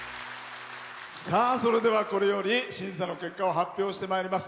それでは、これより審査の結果を発表してまいります。